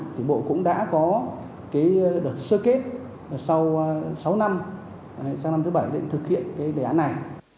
thì bộ cũng đã có cái đợt sơ kết sau sáu năm sang năm thứ bảy thực hiện cái đề án này